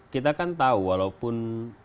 kita kan tahu walaupun